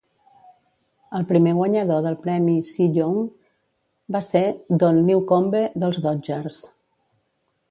El primer guanyador del premi Cy Young va ser Don Newcombe dels Dodgers.